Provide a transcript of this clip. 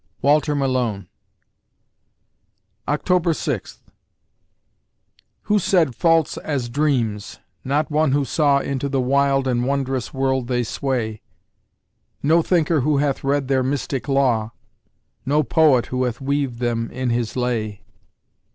WALTER MALONE October Sixth Who said "false as dreams"? Not one who saw Into the wild and wondrous world they sway; No thinker who hath read their mystic law; No Poet who hath weaved them in his lay.